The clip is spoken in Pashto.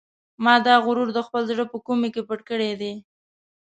ما دا غرور د خپل زړه په کومې کې پټ کړی دی.